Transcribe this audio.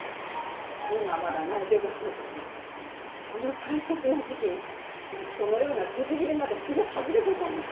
今はまだ内定だそうですがこの大切な時期にそのような辻斬りなどするはずがございません！